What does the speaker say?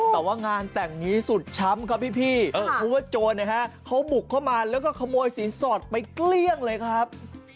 แต่ว่างานแต่งนี้สุดช้ำครับพี่เพราะว่าโจรนะฮะเขาบุกเข้ามาแล้วก็ขโมยสินสอดไปเกลี้ยงเลยครับ